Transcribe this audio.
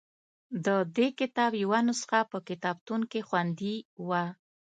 د دې کتاب یوه نسخه په کتابتون کې خوندي وه.